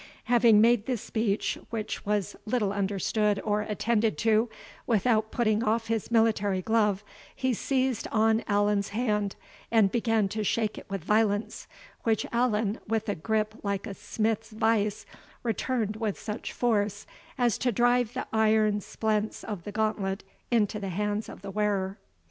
Having made this speech, which was little understood or attended to, without putting off his military glove, he seized on Allan's hand, and began to shake it with violence, which Allan, with a gripe like a smith's vice, returned with such force, as to drive the iron splents of the gauntlet into the hand of the wearer.